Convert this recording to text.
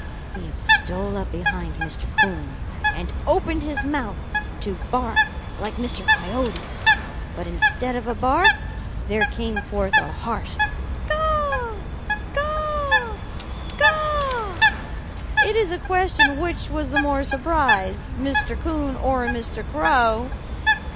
He stole up behind Mr. Coon and opened his mouth to bark like Mr. Coyote, but instead of a bark, there came forth a harsh 'Caw, caw, caw.' It is a question which was the more surprised, Mr. Coon or Mr. Crow.